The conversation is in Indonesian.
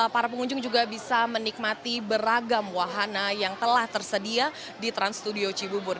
para pengunjung juga bisa menikmati beragam wahana yang telah tersedia di trans studio cibubur